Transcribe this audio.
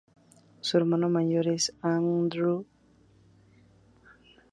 Su hermano mayor es Andrew Lloyd Webber, compositor de famosos musicales.